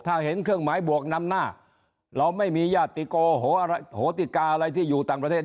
ถ้าเห็นเครื่องหมายบวกนำหน้าเราไม่มีญาติโหติกาอะไรที่อยู่ต่างประเทศ